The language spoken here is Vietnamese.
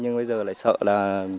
nhưng bây giờ lại sợ là